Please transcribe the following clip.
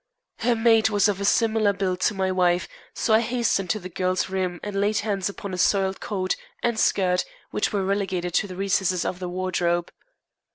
Her maid was of a similar build to my wife, so I hastened to the girl's room, and laid hands upon a soiled coat and skirt which were relegated to the recesses of the wardrobe.